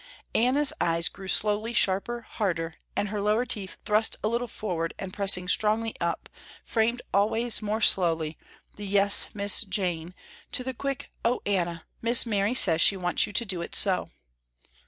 Anna's eyes grew slowly sharper, harder, and her lower teeth thrust a little forward and pressing strongly up, framed always more slowly the "Yes, Miss Jane," to the quick, "Oh Anna! Miss Mary says she wants you to do it so!"